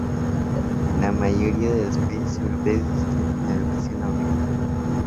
En la mayoría de los países europeos existe la educación obligatoria.